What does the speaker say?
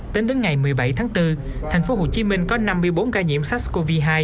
tính đến ngày một mươi bảy tháng bốn thành phố hồ chí minh có năm mươi bốn ca nhiễm sars cov hai